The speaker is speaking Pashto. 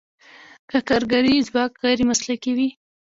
که کارګري ځواک غیر مسلکي وي.